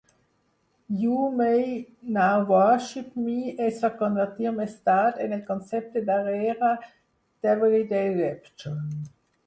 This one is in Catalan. You May Now Worship Me es va convertir més tard en el concepte darrere d'Everyday Rapture.